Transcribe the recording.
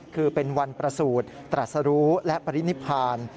คือเป็นวันประสูจน์ตรัสรู้และปรินิพาน